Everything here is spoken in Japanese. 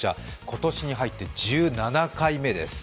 今年に入って１７回目です。